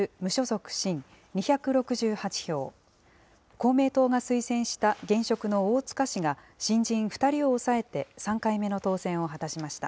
公明党が推薦した現職の大塚氏が、新人２人を抑えて３回目の当選を果たしました。